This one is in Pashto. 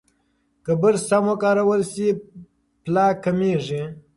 که برس سم وکارول شي، پلاک کمېږي.